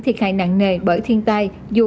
thiệt hại nặng nề bởi thiên tai dù